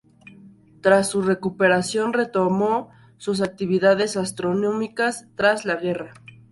Tras su recuperación, retomó sus actividades astronómicas tras la guerra.